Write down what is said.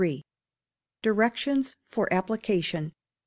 Directions for Application.